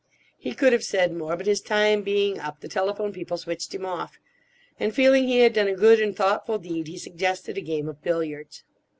He could have said more, but his time being up the telephone people switched him off; and feeling he had done a good and thoughtful deed, he suggested a game of billiards.